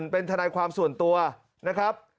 เป็นทนายความส่วนตัวนะครับ